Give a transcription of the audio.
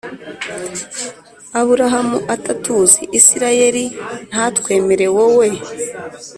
Aburahamu atatuzi isirayeli ntatwemere wowe